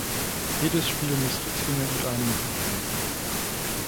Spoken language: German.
Jedes Spiel musste zwingend mit einem Sieg enden.